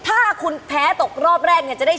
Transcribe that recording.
ถ้าคุณแพ้ตกรอบเรื่องแรก